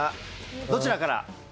どちらから？